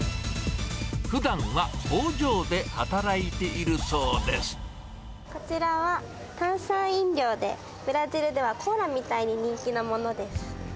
ふだんは工場で働いているそうでこちらは炭酸飲料で、ブラジルではコーラみたいに人気なものです。